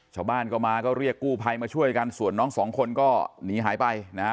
ชาวบ้านก็มาก็เรียกกู้ภัยมาช่วยกันส่วนน้องสองคนก็หนีหายไปนะฮะ